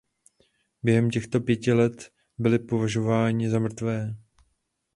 Během těchto pěti let byli považováni za mrtvé.